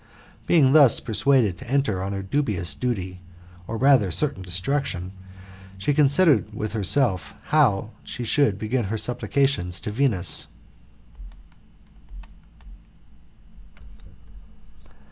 Being thus prepared to enter on her dubious duty, or rather certain destruction, she considered with herself how she should begin her supplications to Venus.